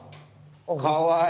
かわいい！